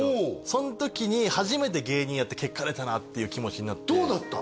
その時に初めて芸人やって結果出たなっていう気持ちになってどうだった？